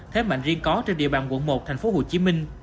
thế mạnh riêng có trên địa bàn quận một tp hcm